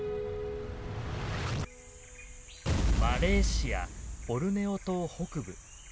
マレーシア・ボルネオ島北部。